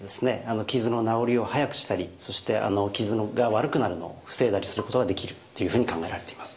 傷の治りを早くしたりそして傷が悪くなるのを防いだりすることができるっていうふうに考えられています。